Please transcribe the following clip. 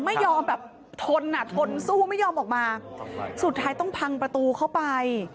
ไม่ยอมแบบทนอ่ะทนสู้ไม่ยอมออกมาสุดท้ายต้องพังประตูเข้าไป